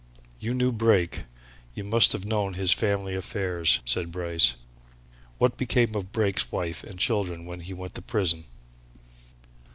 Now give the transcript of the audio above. "You knew Brake, you must have known his family affairs," said Bryce. "What became of Brake's wife and children when he went to prison?"